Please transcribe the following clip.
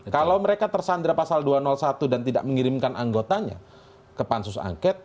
kalau mereka tersandra pasal dua ratus satu dan tidak mengirimkan anggotanya ke pansus angket